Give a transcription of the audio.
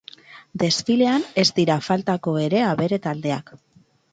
Desfilean ez dira faltako ere abere taldeak.